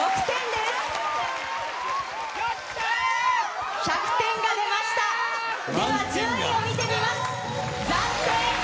では順位を見てみます。